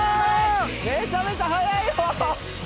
めちゃめちゃ速いよ。